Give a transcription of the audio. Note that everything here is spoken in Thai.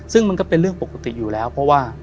ซึ่งมันก็เป็นเรื่องปกติอยู่แล้ว